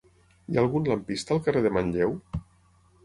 Hi ha algun lampista al carrer de Manlleu?